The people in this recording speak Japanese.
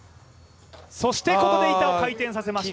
そしてここで板を回転させました。